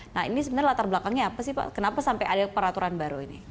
nah ini sebenarnya latar belakangnya apa sih pak kenapa sampai ada peraturan baru ini